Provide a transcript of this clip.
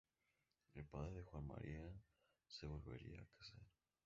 El padre de Juan María no se volvería a casar.